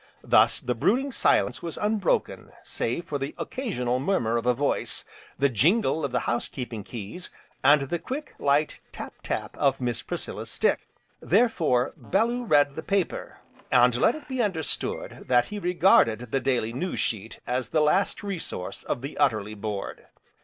Thus the brooding silence was unbroken save for the occasional murmur of a voice, the jingle of the housekeeping keys, and the quick, light tap, tap, of Miss Priscilla's stick. Therefore, Bellew read the paper, and let it be understood that he regarded the daily news sheet as the last resource of the utterly bored.